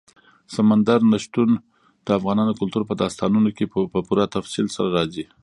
سمندر نه شتون د افغان کلتور په داستانونو کې په پوره تفصیل سره راځي.